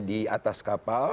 di atas kapal